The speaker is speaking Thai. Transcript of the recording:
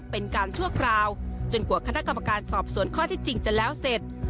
เป็นการชั่วคราวจนกว่าคณะกรรมการสอบสวนข้อที่จริงจะแล้วเสร็จ